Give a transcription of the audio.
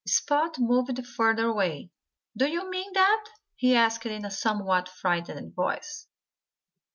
Spot moved further away. "Do you mean that?" he asked in a somewhat frightened voice.